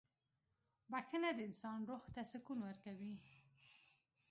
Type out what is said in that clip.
• بخښنه د انسان روح ته سکون ورکوي.